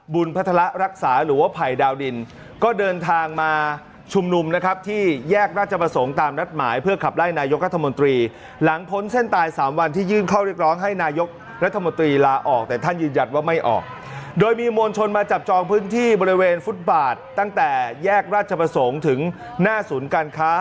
พัฒระรักษาหรือว่าภัยดาวดินก็เดินทางมาชุมนุมนะครับที่แยกราชประสงค์ตามนัดหมายเพื่อขับไล่นายกรัฐมนตรีหลังพ้นเส้นตายสามวันที่ยื่นข้อเรียกร้องให้นายกรัฐมนตรีลาออกแต่ท่านยืนยันว่าไม่ออกโดยมีมวลชนมาจับจองพื้นที่บริเวณฟุตบาทตั้งแต่แยกราชประสงค์ถึงหน้าศูนย์การค้า